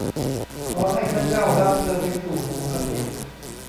ขอให้พระเจ้ารับเธอไปสู่สุขคติ